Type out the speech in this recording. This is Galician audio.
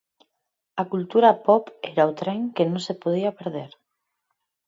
A cultura pop era o tren que non se podía perder.